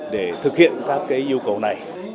để thực hiện các yêu cầu này